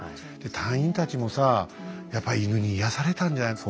隊員たちもさやっぱ犬に癒やされたんじゃない？